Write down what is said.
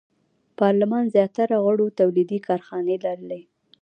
پارلمان زیاتره غړو تولیدي کارخانې لرلې.